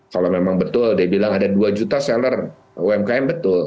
kalau memang betul dia bilang ada dua juta seller umkm betul